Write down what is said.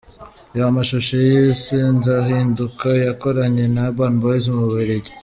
Reba amashusho ya 'Sinzahinduka' yakoranye na Urban boys mu Bubiligi .